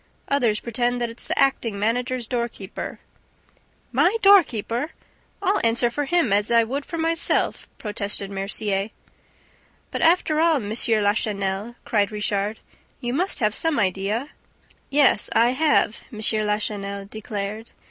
Others pretend that it's the acting manager's doorkeeper ..." "My doorkeeper? I'll answer for him as I would for myself!" protested Mercier. "But, after all, M. Lachenel," cried Richard, "you must have some idea." "Yes, I have," M. Lachenel declared.